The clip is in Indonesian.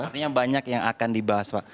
artinya banyak yang akan dibahas pak